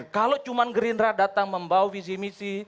kalau cuma gerindra datang membawa visi misi